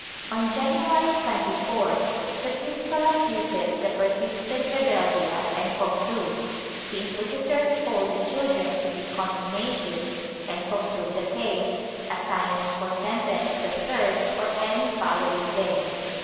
On January 24th the fiscal accuses the persistent rebeldia and concludes; the inquis itors hold the children to be contumacious and conclude the case, assigning for sentence the third or any following day.